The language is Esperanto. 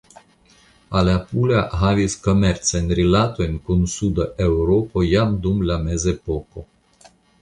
Alapula havis komercajn rilatojn kun suda Eŭropo jam dum la mezepoko.